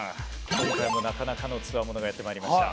今回もなかなかの強者がやってまいりました。